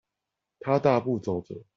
他大步走著